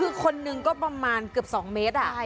คือคนหนึ่งก็ประมาณเกือบ๒เมตร